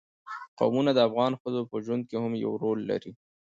قومونه د افغان ښځو په ژوند کې هم یو رول لري.